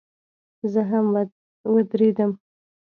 زه هم ودرېدم.